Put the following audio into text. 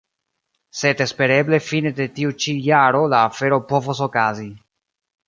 Sed espereble fine de tiu ĉi jaro la afero povos okazi.